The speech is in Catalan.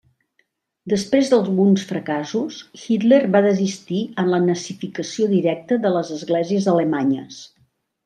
Després d'alguns fracassos, Hitler va desistir en la nazificació directa de les Esglésies Alemanyes.